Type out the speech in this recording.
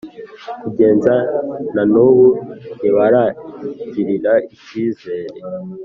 Kugeza na n’ubu ntibarangirira icyizere